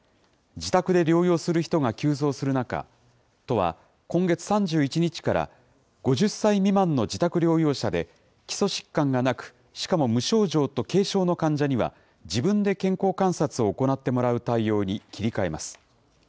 自宅で療養する人が急増する中、都は今月３１日から５０歳未満の自宅療養者で、基礎疾患がなく、しかも無症状と軽症の患者には、自分で健康観察を行ってもらう対応に切り替えます。